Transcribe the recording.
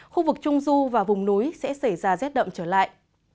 khu vực trung du và vùng núi sẽ xảy ra rét đậm trở lại